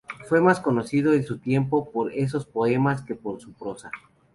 Fue más conocido en su tiempo por esos poemas que por su prosa.